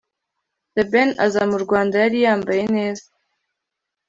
The ben aza mu Rwanda yari yambaye neza